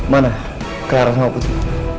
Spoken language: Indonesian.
mana clara sama putri